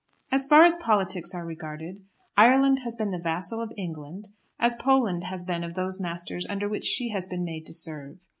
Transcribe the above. As far as politics are regarded, Ireland has been the vassal of England as Poland has been of those masters under which she has been made to serve.